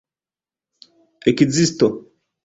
ekzisto